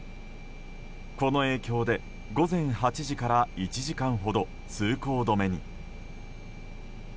この影響で、午前８時から１時間ほど通行止めに。